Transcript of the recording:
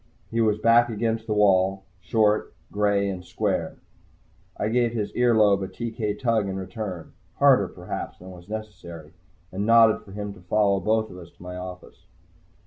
He was back against the wall, short, gray and square. I gave his ear lobe a TK tug in return, harder, perhaps, than was necessary, and nodded for him to follow both of us to my office.